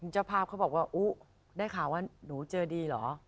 เจ้าภาพเขาบอกว่าอุ๊ได้ข่าวว่าหนูเจอดีเหรอ